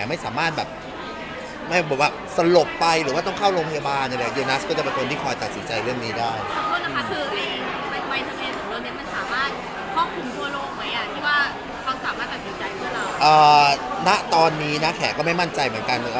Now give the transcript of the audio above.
มากับสินใจของเราเอ่อณตอนนี้นะแขก็ไม่มั่นใจเหมือนกันเอ่อ